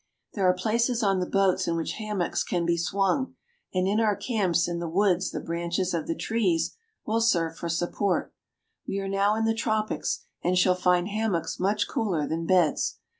There are places on the boats in which hammocks can be swung, and in our camps in the woods the branches of the trees 3o8 BRAZIL. will serve for support. We are now in the tropics, and shall find hammocks much cooler than beds.